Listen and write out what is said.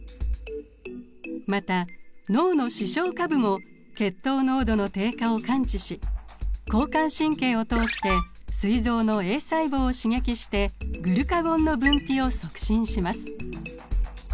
また脳の視床下部も血糖濃度の低下を感知し交感神経を通してすい臓のＡ細胞を刺激してグルカゴンの分泌を促進します。